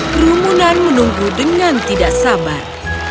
kerumunan menunggu dengan tidak sabar